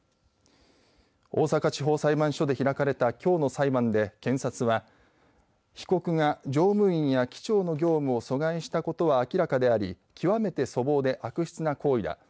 大阪地方裁判所で開かれたきょうの裁判で検察は被告が乗務員や機長の業務を阻害したことは明らかであり極めて粗暴で悪質な行為だ。